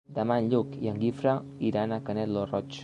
Demà en Lluc i en Guifré iran a Canet lo Roig.